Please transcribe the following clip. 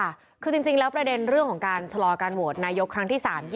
คือจริงแล้วประเด็นเรื่องของการชะลอการโหวตนายกครั้งที่๓๒